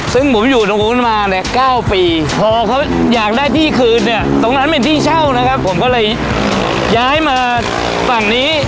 ซึ่งผมอยู่ตรงนู้นมาเนี่ย๙ปีพอเขาอยากได้ที่คืนเนี่ยตรงนั้นเป็นที่เช่านะครับผมก็เลยย้ายมาฝั่งนี้